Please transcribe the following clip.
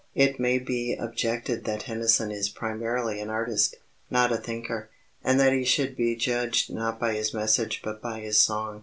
It may be objected that Tennyson is primarily an artist, not a thinker, and that he should be judged not by his message but by his song.